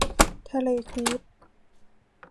ทะเลครีต